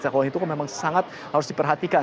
kalau itu memang sangat harus diperhatikan